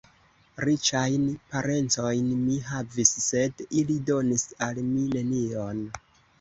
Riĉajn parencojn mi havis, sed ili donis al mi nenion.